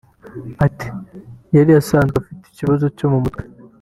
Ati “Yari asanzwe afite ikibazo cyo mu mutwe